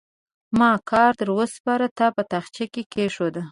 ما کار در وسپاره؛ تا په تاخچه کې کېښود.